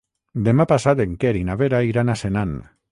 Demà passat en Quer i na Vera iran a Senan.